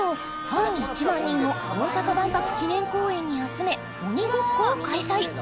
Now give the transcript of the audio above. ファン１万人を大阪・万博記念公園に集め鬼ごっこを開催